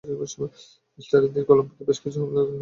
ইস্টারের দিন কলোম্বোতে বেশ কিছু হামলা হতে যাচ্ছে।